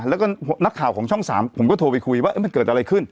แล้วก็นักข่าวของช่อง๓ผมก็โทรไปคุยว่ามันเกิดอะไรขึ้น